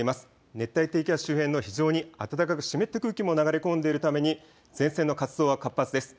熱帯低気圧周辺の非常に暖かく湿った空気も流れ込んでいるために前線の活動は活発です。